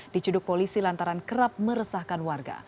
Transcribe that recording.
dicuduk polisi lantaran kerap meresahkan warga